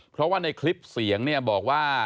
เพราะว่าในคลิปเสียงเนี่ยบอกว่า